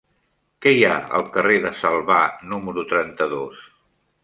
Què hi ha al carrer de Salvà número trenta-dos?